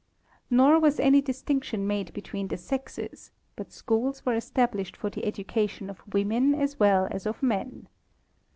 Nor was any distinction made between the sexes, but schools were established for the education of women as well asof men.